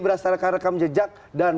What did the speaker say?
berdasarkan rekam jejak dan